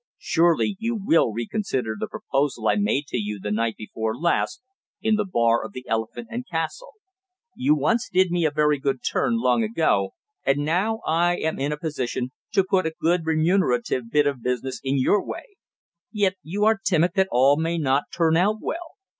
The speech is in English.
Surely you will reconsider the proposal I made to you the night before last in the bar of the Elephant and Castle? You once did me a very good turn long ago, and now I am in a position to put a good remunerative bit of business in your way. Yet you are timid that all may not turn out well!